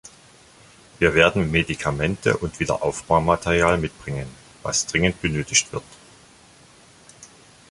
Wir werden Medikamente und Wiederaufbaumaterial mitbringen, was dringend benötigt wird.